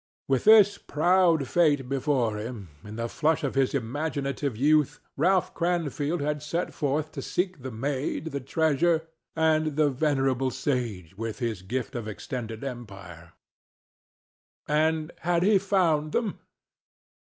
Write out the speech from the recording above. With this proud fate before him, in the flush of his imaginative youth Ralph Cranfield had set forth to seek the maid, the treasure, and the venerable sage with his gift of extended empire. And had he found them?